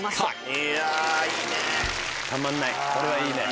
これはいいね！